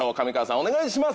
お願いします！